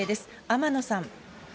天野さん。